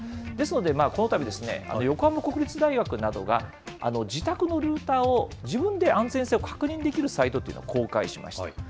ですので、このたび、横浜国立大学などが、自宅のルーターを自分で安全性を確認できるサイトというのを公開しました。